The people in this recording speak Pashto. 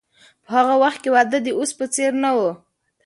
په هغه وخت کې واده د اوس په څیر نه و.